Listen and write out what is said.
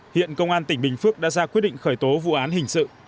hiện công an tỉnh bình phước đã ra quyết định khởi tố vụ án hình sự